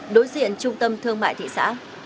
đối diện trung tâm thương mại thị xã